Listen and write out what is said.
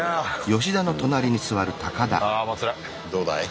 どうだい？